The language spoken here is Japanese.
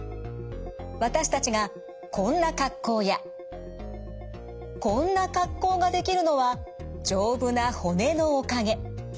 私たちがこんな格好やこんな格好ができるのは丈夫な骨のおかげ。